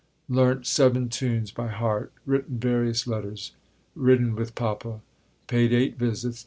Learnt seven tunes by heart. Written various letters. Ridden with Papa. Paid eight visits.